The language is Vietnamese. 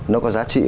nó có giá trị